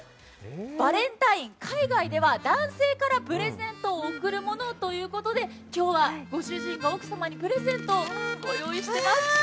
バレンタイン、海外では男性からプレゼントを贈るものということで今日はご主人が奥様にプレゼントをご用意しています。